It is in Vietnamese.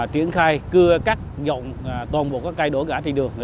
triển khai cưa cắt dọn toàn bộ các cây đổ gã trên đường